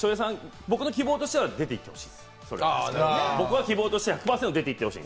僕の希望としては１００％出ていってほしい。